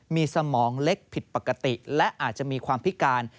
มีสมองเล็กผิดปกติและอาจจะมีความพิการ